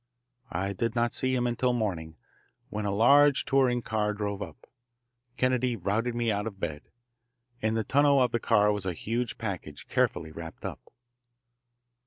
I did not see him until morning, when a large touring car drove up. Kennedy routed me out of bed. In the tonneau of the car was a huge package carefully wrapped up.